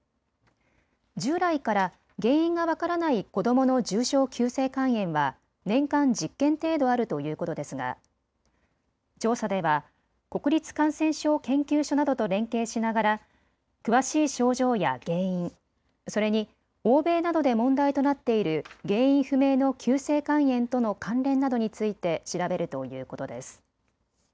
従来から原因が分からない子どもの重症急性肝炎は年間１０件程度あるということですが調査では国立感染症研究所などと連携しながら詳しい症状や原因、それに欧米などで問題となっている原因不明の急性肝炎との関連などについて調べるということです。